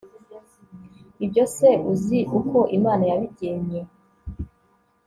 ibyo se uzi uko imana yabigennye